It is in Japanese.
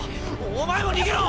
お前も逃げろ！